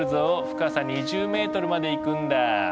深さ２０ｍまで行くんだ。